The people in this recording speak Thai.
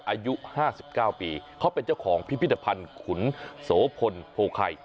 อายุ๕๙ปีเขาเป็นเจ้าของพิพิธภัณฑ์ขุนโสพลโพไข่